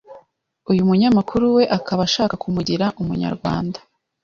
uyu munyamakuru we akaba ashaka kumugira umunyarwanda